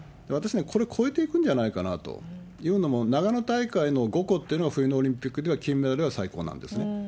私ね、これ超えていくんじゃないかな、というのも、長野大会の５個っていうのが冬のオリンピックでは金メダルでは最高なんですね。